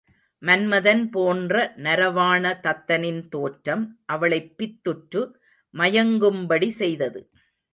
மன்மதன் போன்ற நரவாண தத்தனின் தோற்றம் அவளைப் பித்துற்று மயங்கும்படி செய்தது.